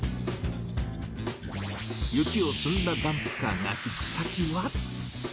雪を積んだダンプカーが行く先は。